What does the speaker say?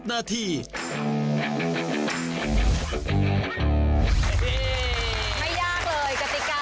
ไม่ยากเลยกติกาง่าย